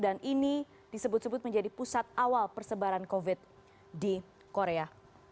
dan ini disebut sebut menjadi pusat awal persebaran covid di korea